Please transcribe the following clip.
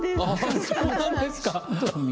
そうなんですか。